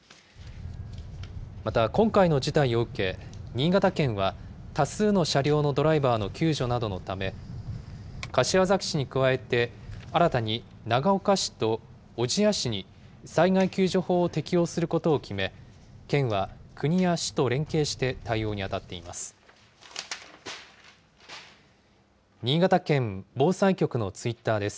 また、今回の事態を受け、新潟県は、多数の車両のドライバーの救助などのため、柏崎市に加えて、新たに長岡市と小千谷市に災害救助法を適用することを決め、県は国や市と連携して対応に当たっています。